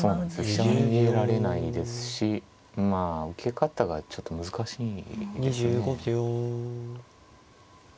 飛車が逃げられないですし受け方がちょっと難しいですね。